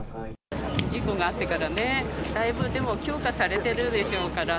事故があってからね、だいぶでも、強化されてるでしょうから。